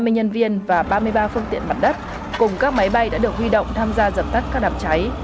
sáu trăm hai mươi nhân viên và ba mươi ba phương tiện bản đất cùng các máy bay đã được huy động tham gia dập tắt các đạp cháy